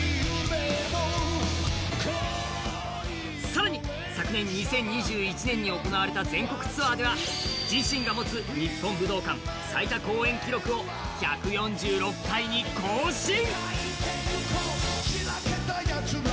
更に昨年２０２１年に行われた全国ツアーでは自身が持つ日本武道館最多公演記録を１４６回に更新！